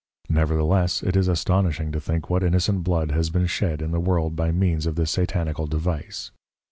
Nevertheless, it is astonishing to think what innocent Blood has been shed in the World by means of this Satanical device.